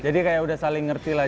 jadi kayak udah saling ngerti lah